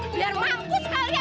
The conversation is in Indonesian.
biar mampu sekali